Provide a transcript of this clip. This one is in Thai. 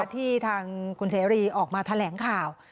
ที่ทางคุณเสรีออกมาแถลงข่าว